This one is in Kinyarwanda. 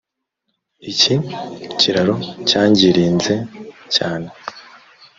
iki kiraro cyangirinze cyane